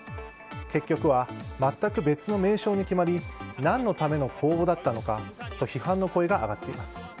結局は全く別の名称に決まり何のための公募だったのかと批判の声が上がっています。